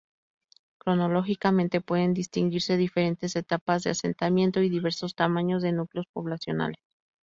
Cronológicamente pueden distinguirse diferentes etapas de asentamiento y diversos tamaños de núcleos poblacionales.